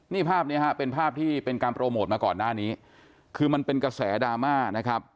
นี่ภาพนี้ฮะเป็นภาพที่เป็นการโปรโมทมาก่อนหน้านี้คือมันเป็นกระแสดราม่านะครับ